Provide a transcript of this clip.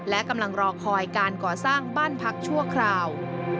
และกำลังรอคอยการก่อสร้างบ้านพักชั่วคราว